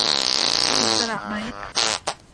อิสระไหม